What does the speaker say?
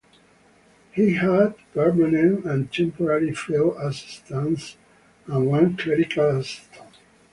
He had permanent and temporary field assistants and one clerical assistant.